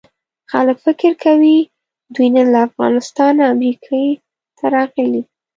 خلک فکر کوي دوی نن له افغانستانه امریکې ته راغلي.